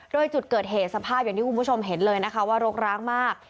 โดยจุดเกิดเหตุสภาพอย่างที่คุณผู้ชมเห็นเลยนะคะว่ารกร้างมาก